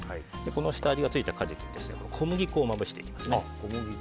下味がついたカジキに小麦粉をまぶしていきます。